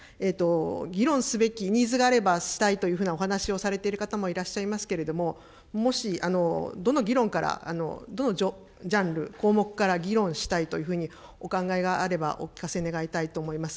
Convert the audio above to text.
議論すべきニーズがあれば、したいというふうなお話をされている方もいらっしゃいますけれども、もし、どの議論から、どのジャンル、項目から議論したいというふうにお考えがあれば、お聞かせ願いたいと思います。